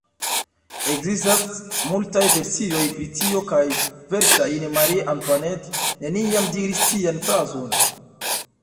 Ekzistas multaj versioj pri tio kaj verŝajne Marie-Antoinette neniam diris tian frazon.